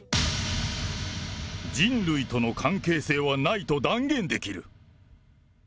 人類との関係性はないと断言できる。